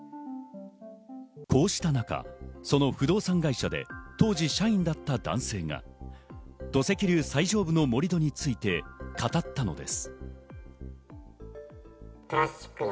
こうした中、その不動産会社で当時社員だった男性が土石流最上部の盛り土について語ったのです。